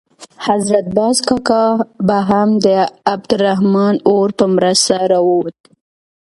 حضرت باز کاکا به هم د عبدالرحمن اور په مرسته راووت.